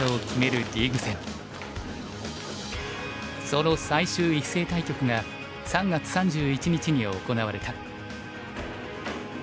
その最終一斉対局が３月３１日に行われた。